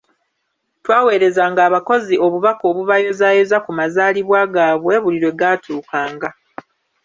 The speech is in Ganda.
Twawereza abakozi obubaka obubayozaayoza ku mazaalibwa gaabwe bui lwe gatuukanga.